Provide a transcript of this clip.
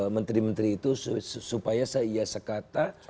menteri menteri itu supaya saya sekata